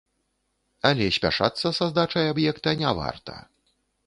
Але спяшацца са здачай аб'екта не варта.